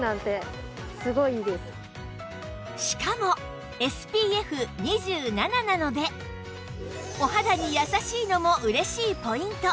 しかも ＳＰＦ２７ なのでお肌に優しいのも嬉しいポイント